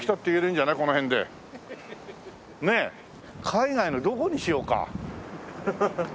海外のどこにしようか？